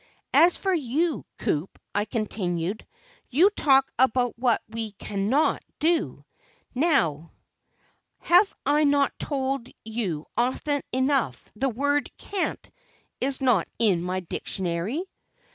"As for you, Coup," I continued, "you talk about what we cannot do; now, have I not told you often enough, the word 'can't' is not in my dictionary?"